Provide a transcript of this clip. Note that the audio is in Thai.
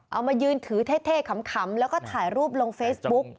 เอามายืนถือเท่ขำแล้วก็ถ่ายรูปลงเฟซบุ๊ก